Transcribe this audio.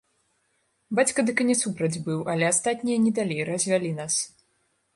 Бацька дык і не супраць быў, але астатнія не далі, развялі нас.